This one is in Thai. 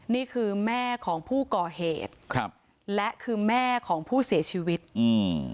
นี่คือแม่ของผู้ก่อเหตุครับและคือแม่ของผู้เสียชีวิตอืม